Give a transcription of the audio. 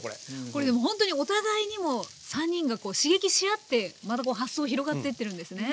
これでも本当にお互いにもう３人が刺激し合ってまたこう発想広がってってるんですね。